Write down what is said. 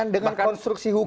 dengan konstruksi hukum